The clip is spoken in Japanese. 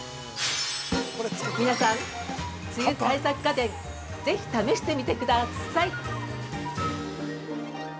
◆皆さん、梅雨対策家電、ぜひ試してみてください！